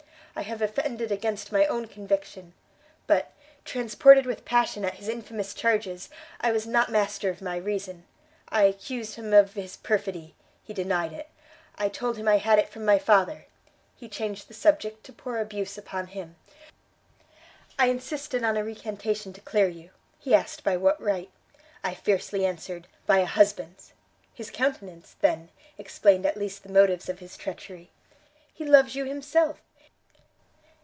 I have offended against my own conviction, but, transported with passion at his infamous charges, I was not master of my reason; I accused hum of his perfidy; he denied it; I told him I had it from my father, he changed the subject to pour abuse upon him; I insisted on a recantation to clear you; he asked by what right? I fiercely answered; by a husband's! His countenance, then, explained at least the motives of his treachery, he loves you himself!